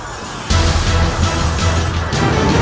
aku akan mencari dia